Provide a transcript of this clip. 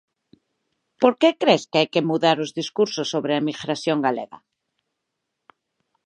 Por que cres que hai que mudar os discursos sobre a emigración galega?